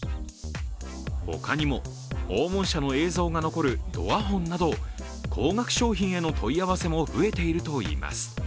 他にも訪問者の映像が残るドアホンなど、高額商品への問い合わせも増えているといいます。